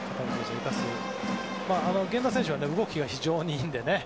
源田選手は動きが非常にいいのでね。